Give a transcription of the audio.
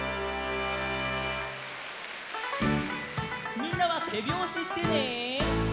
みんなはてびょうししてね！